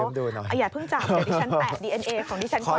อยากพึ่งจับเดี๋ยวดิฉันแตะดีเอ็นเอของดิฉันก่อน